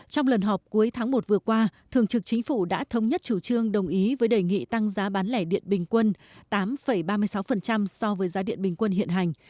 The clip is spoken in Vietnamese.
trong lần họp cuối tháng một vừa qua thường trực chính phủ đã thống nhất chủ trương đồng ý với đề nghị tăng giá bán lẻ điện bình quân tám ba mươi sáu so với giá điện bình quân hiện hành